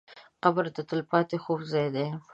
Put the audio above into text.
قبر د تل پاتې خوب ځای دی.